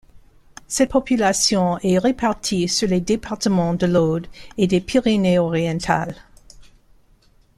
Cette population est répartie sur les départements de l'Aude et des Pyrénées Orientales.